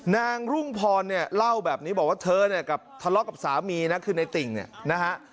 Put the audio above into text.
นางรุ่งพรเนี่ยเล่าแบบนี้บอกว่าเธอเนี่ยกับทะเลาะกับสามีนะคือในติ่งเนี่ยนะฮะ